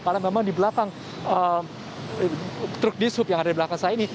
karena memang di belakang truk dishub yang ada di belakang saya ini